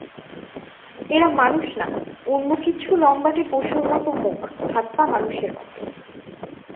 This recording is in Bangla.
এরা মানুষ না, অন্য কিছু-লম্বাটে পশুর মতো মুখ, হাত-পা মানুষের মতো।